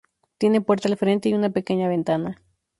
Tiene puerta al frente y una pequeña ventana.